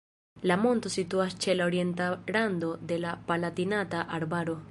La monto situas ĉe la orienta rando de la Palatinata Arbaro.